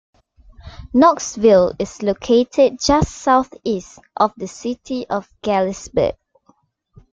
Knoxville is located just southeast of the City of Galesburg.